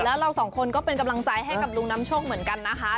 แล้วเราสองคนก็เป็นกำลังใจให้กับลุงน้ำโชคเหมือนกันนะคะ